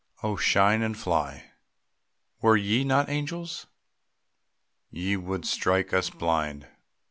Oh, shine and fly! Were ye not angels, ye would strike us blind.